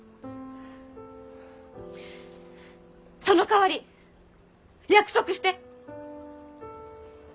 そのかわり約束して！